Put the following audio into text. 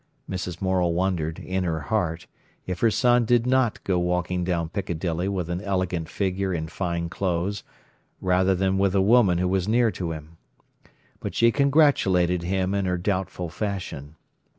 Mrs. Morel wondered, in her heart, if her son did not go walking down Piccadilly with an elegant figure and fine clothes, rather than with a woman who was near to him. But she congratulated him in her doubtful fashion.